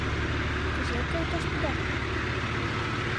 — Кузе те тоштыда?